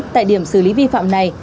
tại điểm xử lý vi phạm này